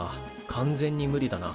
完全に無理だな。